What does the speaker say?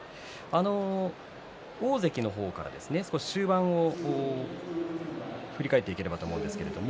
大関の方から少し終盤を振り返っていければと思います。